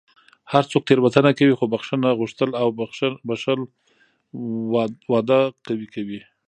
هر څوک تېروتنه کوي، خو بښنه غوښتل او بښل واده قوي کوي.